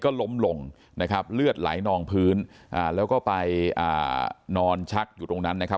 ก็ล้มลงนะครับเลือดไหลนองพื้นอ่าแล้วก็ไปอ่านอนชักอยู่ตรงนั้นนะครับ